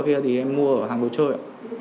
khẩu súng nữa ở kia thì em mua ở hàng đồ chơi